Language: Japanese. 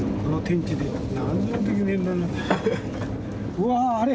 うわ！あれ！